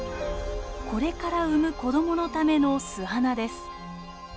これから産む子供のための巣穴です。